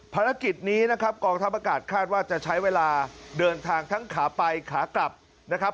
ภารกิจนี้นะครับกองทัพอากาศคาดว่าจะใช้เวลาเดินทางทั้งขาไปขากลับนะครับ